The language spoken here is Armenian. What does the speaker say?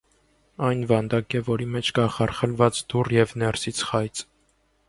Այն վանդակ է, որի մեջ կա խարխլված դուռ և ներսից խայծ։